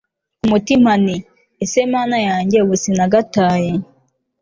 kumutima nti ese mana yanjye ubu sinagataye!